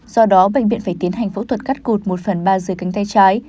do đó bệnh viện phải tiến hành phẫu thuật cắt cụt một phần ba dưới cánh tay trái